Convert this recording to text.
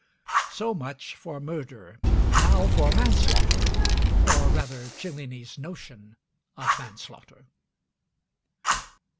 So much for murder. Now for manslaughter, or rather Cellini's notion of manslaughter.